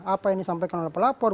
apa yang disampaikan oleh pelapor